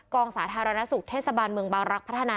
กองสาธารณสุขเทศบาลเมืองบาลักษณะ